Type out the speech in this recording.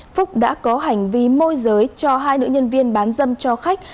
phúc đã có hành vi môi giới cho hai nữ nhân viên bán dâm cho khách